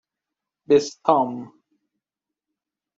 بِستام